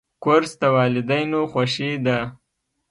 کورس د والدینو خوښي ده.